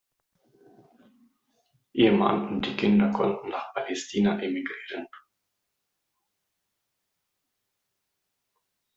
Ihr Mann und die Kinder konnten nach Palästina emigrieren.